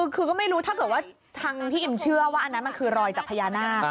คือไม่รู้ถ้าผู้ที่เอ็มเชื่อว่าอันนั้นคือรอยจากไพยานาภ